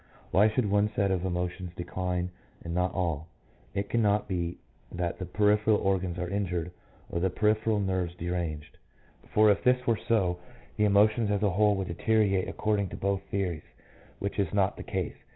Why should one set of emotions decline and not all? It cannot be that the peripheral organs are injured or the peripheral nerves deranged, for if this were so the emotions as a whole would deteriorate according to both theories, which is not the case.